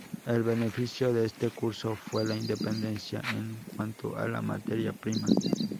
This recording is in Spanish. El beneficio de este curso fue la independencia en cuanto a la materia prima.